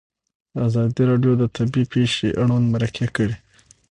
ازادي راډیو د طبیعي پېښې اړوند مرکې کړي.